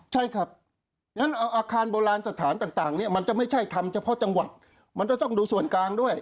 ใช่ครับงั้นเอาอาคารโบราณสถานต่างเนี่ยมันจะไม่ใช่ทำเฉพาะจังหวัดมันจะต้องดูส่วนกลางด้วย